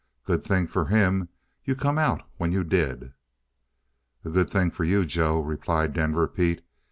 Good thing for him you come out when you did!" "A good thing for you, Joe," replied Denver Pete.